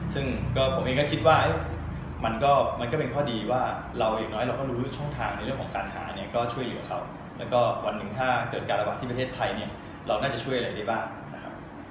ซึ่งก็ผมเองก็คิดว่ามันก็เป็นข้อดีว่าเราอย่างน้อยเราก็รู้ช่องทางในเรื่องของการหาเนี่ยก็ช่วยเหลือเขาแล้วก็วันหนึ่งถ้าเกิดการระบาดที่ประเทศไทยเนี่ยเราน่าจะช่วยอะไรได้บ้างนะครับ